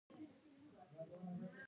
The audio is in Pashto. حرکت ګټور دی.